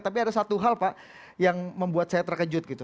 tapi ada satu hal pak yang membuat saya terkejut gitu